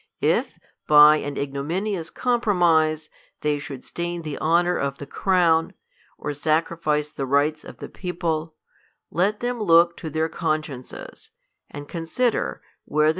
If, by an ignominious compromise, they should stain the honor of the crown, or sacrifice the rights of the people, let them look to their consciences, and consider whether th.